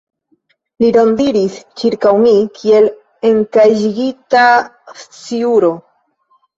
Li rondiris ĉirkaŭ mi, kiel enkaĝigita sciuro.